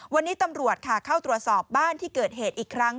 วันนี้ตำรวจค่ะเข้าตรวจสอบบ้านที่เกิดเหตุอีกครั้ง